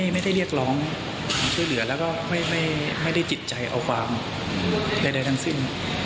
ไม่ได้เรียกร้องช่วยเหลือแล้วก็ไม่ได้จิตใจเอาความใดทั้งสิ้น